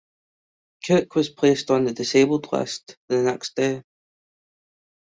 Cook was placed on the disabled list the next day.